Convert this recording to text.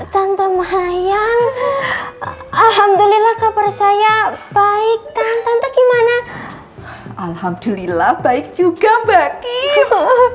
tante mahayang alhamdulillah kabar saya baik tante gimana alhamdulillah baik juga mbak kim